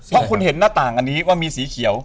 เพราะคุณเห็นหน้าต่างอันนี้ว่ามีสีเขียว